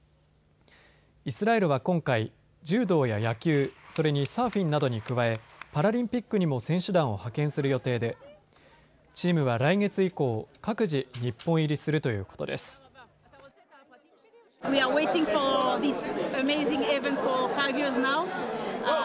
イスラエルは今回、柔道や野球、それにサーフィンなどに加えパラリンピックにも選手団を派遣する予定でチームは来月以降、各自、日本入りするということです。